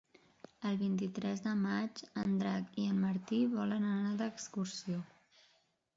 El vint-i-tres de maig en Drac i en Martí volen anar d'excursió.